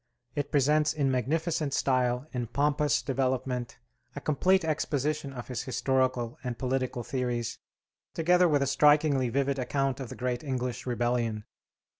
It presents in magnificent style, in pompous development, a complete exposition of his historical and political theories, together with a strikingly vivid account of the great English rebellion.